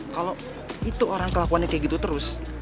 kalau itu orang kelakuannya kayak gitu terus